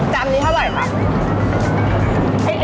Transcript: จานนี้เท่าไหร่